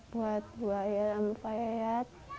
buat bu aya dan pak yat